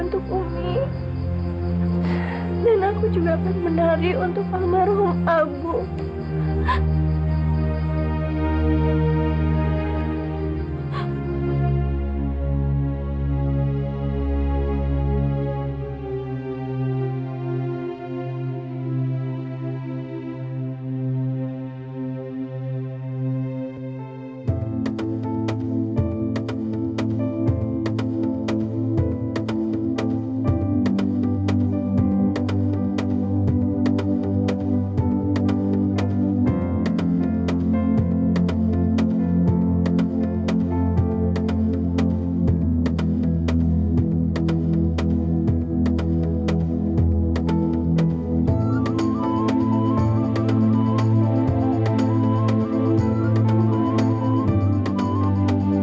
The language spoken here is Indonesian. tidak ada kasih yang bisa kita memberi